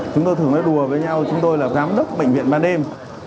chúng tôi thường nói đùa với nhau chúng tôi là giám đốc bệnh viện ban đêm